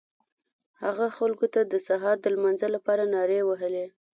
هغه خلکو ته د سهار د لمانځه لپاره نارې وهلې.